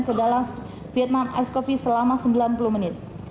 ke dalam vietnam ice coffee selama sembilan puluh menit